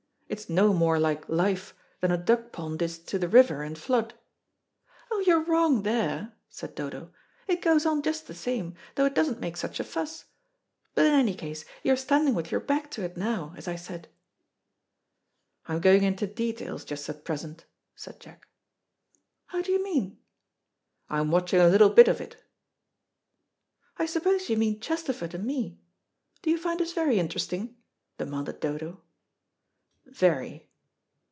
"It's no more like life than a duck pond is to the river in flood." "Oh, you're wrong there," said Dodo. "It goes on just the same, though it doesn't make such a fuss. But in any case you are standing with your back to it now, as I said." "I'm going into details, just at present," said Jack. "How do you mean?" "I'm watching a little bit of it." "I suppose you mean Chesterford and me. Do you find us very interesting?" demanded Dodo. "Very."